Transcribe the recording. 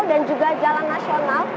dan juga jalan nasional